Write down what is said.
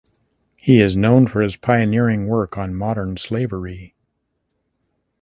He is known for his pioneering work on modern slavery.